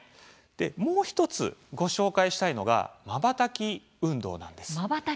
もう１つご紹介したいのがまばたき運動なんです。